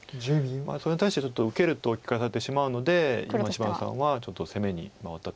それに対してちょっと受けると利かされてしまうので今芝野さんはちょっと攻めに回ったという感じですよね。